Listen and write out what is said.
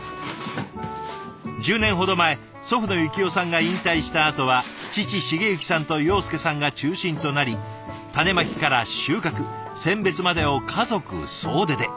１０年ほど前祖父の幸夫さんが引退したあとは父成幸さんと庸介さんが中心となり種まきから収穫選別までを家族総出で。